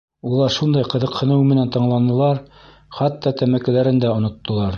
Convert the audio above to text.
Улар шундай ҡыҙыҡһыныу менән тыңланылар, хатта тәмәкеләрен дә оноттолар.